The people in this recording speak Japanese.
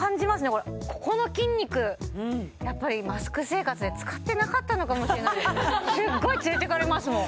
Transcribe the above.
これここの筋肉やっぱりマスク生活で使ってなかったのかもしれないすっごい連れてかれますもん